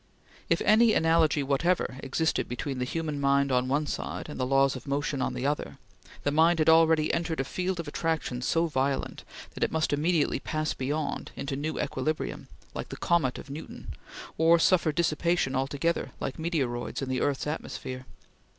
If any analogy whatever existed between the human mind, on one side, and the laws of motion, on the other, the mind had already entered a field of attraction so violent that it must immediately pass beyond, into new equilibrium, like the Comet of Newton, to suffer dissipation altogether, like meteoroids in the earth's atmosphere.